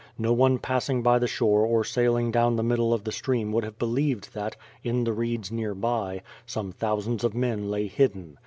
No one passing by the shore or sailing down the middle of the stream would have believed that, in the reeds near by, some thousands of men lay hidden.